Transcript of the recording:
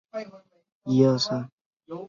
五人足球是足球的一个变种。